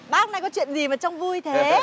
bác hôm nay có chuyện gì mà trong vui thế